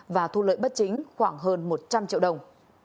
và thu lợi bất chính khoảng hơn một trăm linh triệu đồng